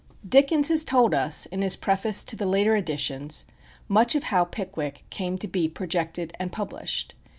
Dickens has told us, in his preface to the later editions, much of how "Pickwick" came to be projected and published.